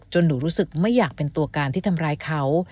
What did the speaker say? หนูรู้สึกไม่อยากเป็นตัวการที่ทำร้ายเขา